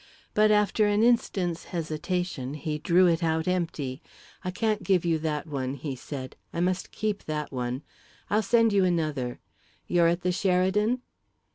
But, after an instant's hesitation, he drew it out empty. "I can't give you that one," he said; "I must keep that one. I'll send you another. You're at the Sheridan?"